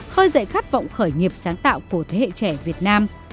khơi dậy khát vọng khởi nghiệp sáng tạo của thế hệ trẻ việt nam